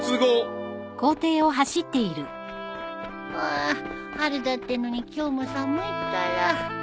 あ春だってのに今日も寒いったら